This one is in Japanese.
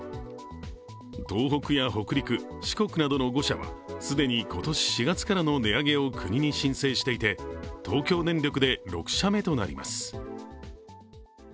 東北や北陸などの５社は既に今年４月からの値上げを国に申請していて、東京電力で６社目となります。